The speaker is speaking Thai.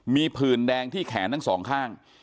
มีผื่นแดงที่แขนทั้งสองข้าง